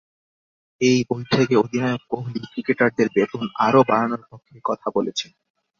এই বৈঠকে অধিনায়ক কোহলি ক্রিকেটারদের বেতন আরও বাড়ানোর পক্ষেই কথা বলবেন।